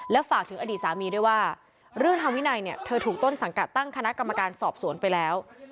ฝากถึงอดีตสามีด้วยว่าเรื่องทางวินัยเนี่ยเธอถูกต้นสังกัดตั้งคณะกรรมการสอบสวนไปแล้ว